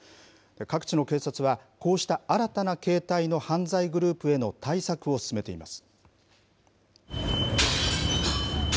各地の警察は、こうした新たな形態の犯罪グループへの対策を進めています。